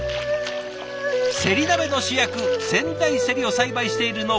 せり鍋の主役仙台せりを栽培している農家